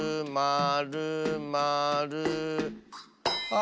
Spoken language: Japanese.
あ！